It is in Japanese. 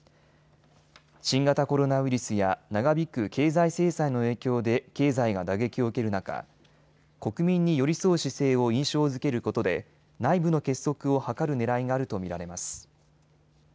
新型コロナウイルスや長引く経済制裁の影響で経済が打撃を受ける中、国民に寄り添う姿勢を印象づけることで内部の結束を図るねらいがあると見られます。